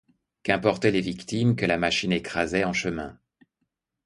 Qu'importaient les victimes que la machine écrasait en chemin!